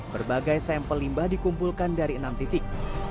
berbagai sampel limbah dikumpulkan dari enam titik